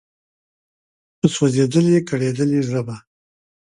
په سوزیدلي، کړیدلي ژبه